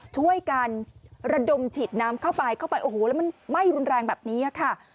ช่วยกันระดมฉีดน้ำเข้าไปเข้าไปโอ้โหแล้วมันไหม้รุนแรงแบบนี้ค่ะ